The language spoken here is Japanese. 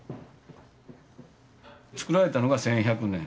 つくられたのが１１００年。